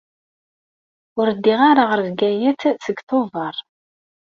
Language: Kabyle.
Ur ddiɣ ara ɣer Bgayet seg Tubeṛ.